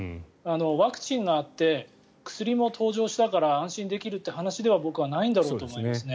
ワクチンがあって薬も登場したから安心できるという話では僕はないだろうと思いますね。